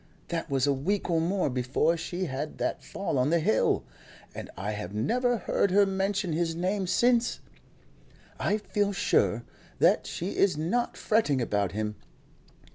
That was a week or more before she had that fall on the hill, and I have never heard her mention his name since. I feel sure that she is not fretting about him.